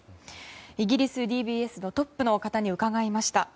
イギリスＤＢＳのトップの方に伺いました。